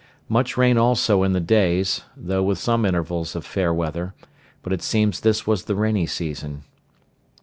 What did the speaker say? Much rain also in the days, though with some intervals of fair weather; but it seems this was the rainy season.